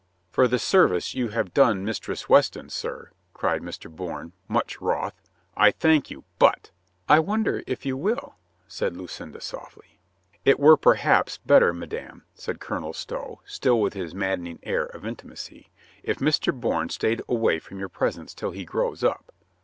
"For the service you have done Mistress Weston, sir," cried Mr. Bourne, much wroth, "I thank you; but—" "I wonder if you will," said Lucinda softly. "It were, perhaps, better, madame," said Colonel Stow, still with his maddening air of intimacy, "if Mr. Bourne stayed away from your presence till he grows up."